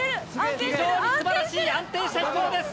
非常に素晴らしい安定した飛行です！